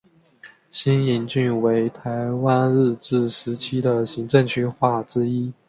新营郡为台湾日治时期的行政区划之一。